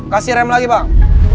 kasih rem lagi bang